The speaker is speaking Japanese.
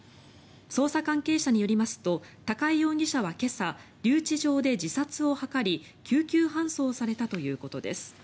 捜査関係者によりますと高井容疑者は今朝留置場で自殺を図り救急搬送されたということです。